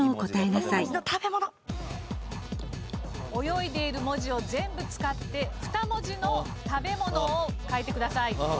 泳いでいる文字を全部使って２文字の食べ物を書いてください。